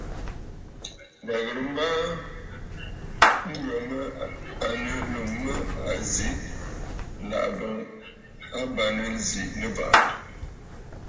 Mə̀ ghɨrə mbaaa ŋghə mə à nɨ Lum mə a zì, làʼ̀à boŋ a bàŋnə zi Nɨbàʼà.